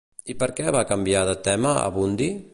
I per què va canviar de tema Abundi?